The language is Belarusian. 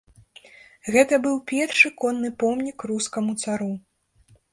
Гэта быў першы конны помнік рускаму цару.